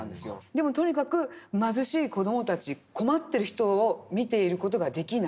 でもとにかく貧しい子どもたち困ってる人を見ている事ができない。